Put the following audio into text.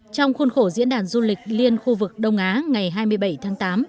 trong khuôn khổ diễn đàn du lịch liên khu vực đông á ngày hai mươi bảy tháng tám